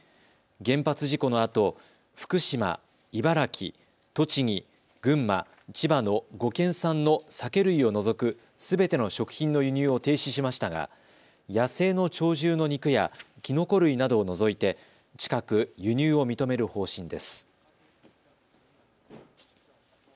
原発事故のあと福島、茨城、栃木、群馬、千葉の５県産の酒類を除くすべての食品の輸入を停止しましたが野生の鳥獣の肉やきのこ類などを除いて近く輸入を認める方針です。